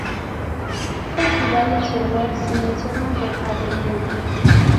Un festival en su honor se menciona por Ateneo.